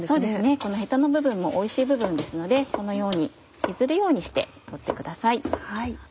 このヘタの部分もおいしい部分ですのでこのように削るようにして取ってください。